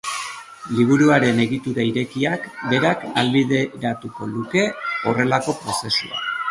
Liburuaren egitura irekiak berak ahalbideratuko luke horrelako prozesua.